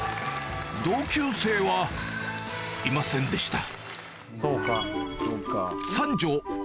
同級生はいませんでした